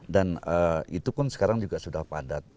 dan itu pun sekarang juga sudah padat